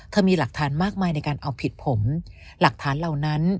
มีหลักฐานมากมายในการเอาผิดผมหลักฐานเหล่านั้น